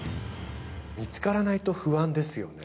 見つからないと不安ですよね